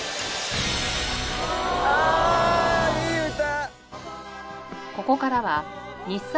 ああいい歌！